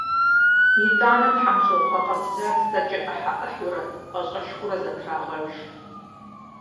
ИтӀанэ тхьэмщӀыгъу гъэкъэбзар сэкӀэ Ӏыхьэ-Ӏыхьэурэ, пӀащэшхуэурэ зэтрагъэж.